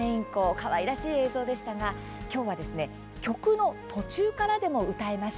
かわらしい映像でしたが、きょうは「曲の途中からでも歌えます！